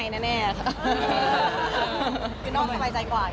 คือน้องสบายใจกว่า